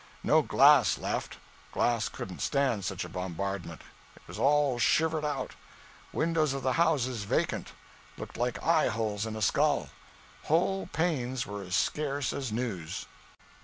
No glass left; glass couldn't stand such a bombardment; it was all shivered out. Windows of the houses vacant looked like eye holes in a skull. _Whole _panes were as scarce as news.